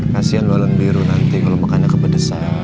kasian lo len biru nanti kalo makannya kepedesan ya